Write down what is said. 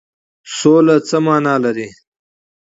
سوله څه معنی لري؟